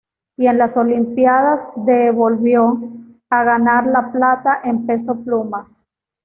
Y en las Olimpiadas de volvió a ganar la plata en peso pluma.